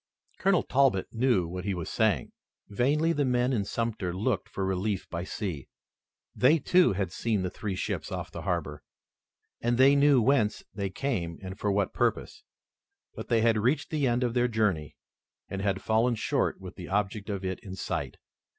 Colonel Talbot knew what he was saying. Vainly the men in Sumter looked for relief by sea. They, too, had seen the three ships off the harbor, and they knew whence they came and for what purpose. But they had reached the end of their journey, and had fallen short with the object of it in sight.